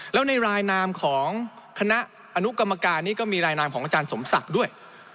แล้วในรายนามของคณะอนุกรรมการนี้ก็มีรายนามของอาจารย์สมศักดิ์ด้วย